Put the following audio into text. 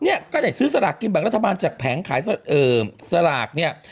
เนี่ยก็ได้ซื้อสลากกินแบ่งรัฐบาลจากแผงขายสลากเนี่ย